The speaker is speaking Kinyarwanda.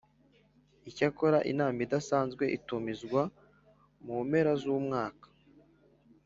Icyakora inama idasanzwe itumizwa mu mpera z umwaka